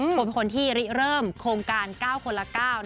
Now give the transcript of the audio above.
คนที่ริเริ่มโครงการ๙คนละ๙